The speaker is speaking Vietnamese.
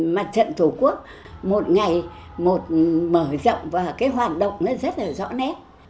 mặt trận tổ quốc một ngày mở rộng và hoạt động rất rõ nét